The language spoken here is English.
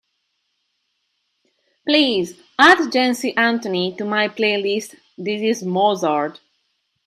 Please add Jency Anthony to my playlist This Is Mozart